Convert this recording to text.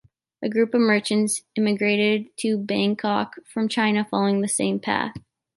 A group of merchants emigrated to Bangkok from China following the same path.